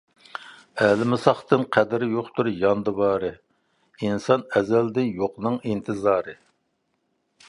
ئەلمىساقتىن قەدرى يوقتۇر ياندا بارى، ئىنسان ئەزەلدىن يوقنىڭ ئىنتىزارى.